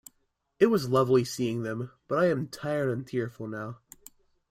It was lovely seeing them, but I am tired and tearful now.